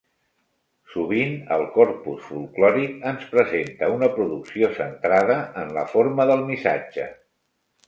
Sovint el corpus folklòric ens presenta una producció centrada en la forma del missatge.